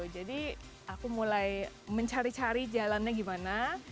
jadi aku mulai mencari cari jalannya gimana